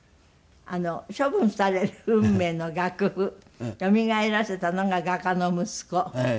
処分される運命の楽譜よみがえらせたのが画家の息子。